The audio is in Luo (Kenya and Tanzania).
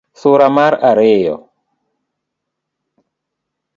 Sura mar ariyo: